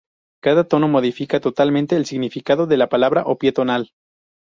Cada tono modifica totalmente el significado de la palabra o pie tonal.